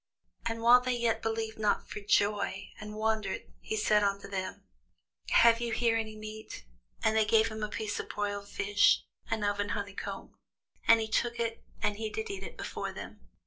And while they yet believed not for joy, and wondered, he said unto them, Have ye here any meat? And they gave him a piece of a broiled fish, and of an honeycomb. And he took it, and did eat before them.